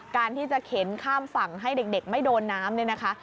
การที่จะเข็นข้ามฝั่งให้เด็กไม่โดนน้ำเนี่ยนะคะ